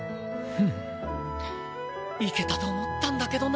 いけたと思ったんだけどなあ。